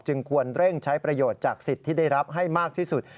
ควรเร่งใช้ประโยชน์จากสิทธิ์ที่ได้รับให้มากที่สุด